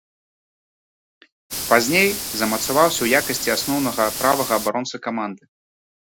Пазней замацаваўся ў якасці асноўнага правага абаронцы каманды.